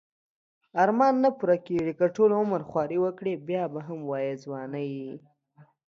ارمان نه پوره کیږی که ټول عمر خواری وکړی بیا به هم وایی ځوانی